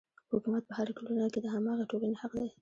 حکومت په هره ټولنه کې د هماغې ټولنې حق دی.